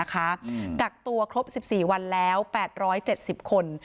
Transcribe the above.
กักตัวครบ๑๔วันแล้ว๘๗๐คน